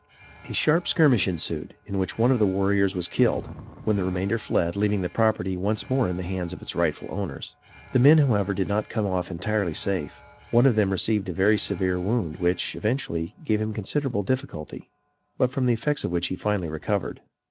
A sharp skirmish ensued in which one of the warriors was killed, when the remainder fled, leaving the property once more in the hands of its rightful owners. The men however did not come off entirely safe. One of them received a very severe wound; which, eventually, gave him considerable difficulty; but from the effects of which he finally recovered.